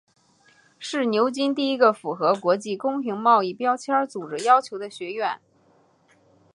是牛津第一个符合国际公平贸易标签组织要求的学院。